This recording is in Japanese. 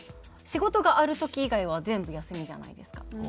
仕事がある時以外は全部休みじゃないですか。